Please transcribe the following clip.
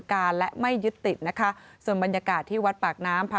การและไม่ยึดติดนะคะส่วนบรรยากาศที่วัดปากน้ำพา